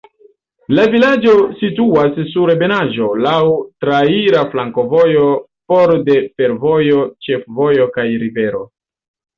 La vilaĝo situas sur ebenaĵo, laŭ traira flankovojo, for de fervojo, ĉefvojo kaj rivero.